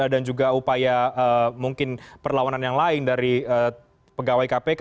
juga upaya mungkin perlawanan yang lain dari pegawai kpk